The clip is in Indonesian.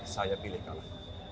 saya pilih kalah